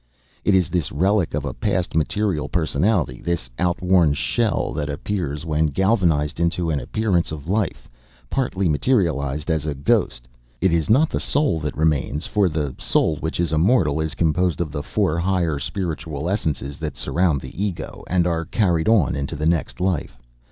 It is this relic of a past material personality, this outworn shell, that appears, when galvanized into an appearance of life, partly materialized, as a ghost. It is not the soul that returns, for the soul, which is immortal, is composed of the four higher spiritual essences that surround the ego, and are carried on into the next life.